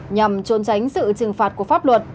nhằm trôn tránh sự trừng phạt của pháp luật